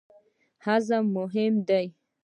هضم مهم دی.